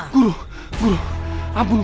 guru guru abun guru